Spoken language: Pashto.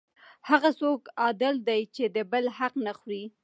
هغه څوک عادل دی چې د بل حق نه خوري.